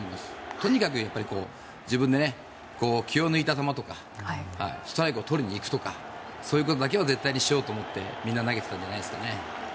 とにかく自分で気を抜いた球とかストライクを取りに行くとかそういうことはしないように絶対にしようと思ってみんな投げてたんじゃないんですあｋね。